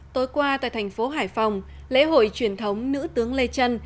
tối qua tại thành phố hải phòng lễ hội truyền thống nữ tướng lê trân